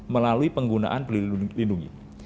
melalui penggunaan penduli lindungi